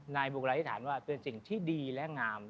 บุคลาธิษฐานว่าเป็นสิ่งที่ดีและงาม